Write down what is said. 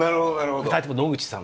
２人とも「野口さん」です。